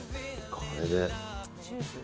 これで。